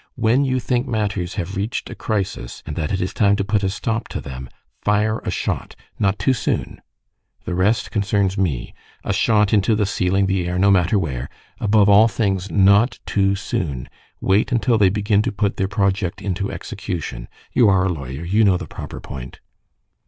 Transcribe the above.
When you think matters have reached a crisis, and that it is time to put a stop to them, fire a shot. Not too soon. The rest concerns me. A shot into the ceiling, the air, no matter where. Above all things, not too soon. Wait until they begin to put their project into execution; you are a lawyer; you know the proper point."